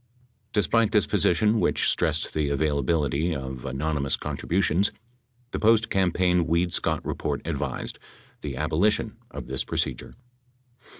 Despite this position, which stressed the availability of anonymous contributions, the post campaign Weed Seott report advised the aboli tion of this procedure.